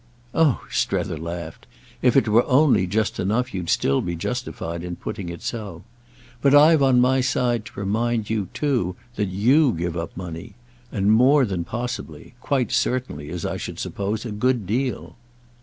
"Oh," Strether laughed, "if it were only just enough you'd still be justified in putting it so! But I've on my side to remind you too that you give up money; and more than 'possibly'—quite certainly, as I should suppose—a good deal."